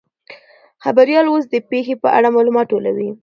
خبریال اوس د پیښې په اړه معلومات ټولوي.